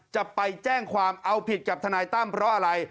จะไปแจ้งความเอาผิดกับทนายตั้มเพราะอะไร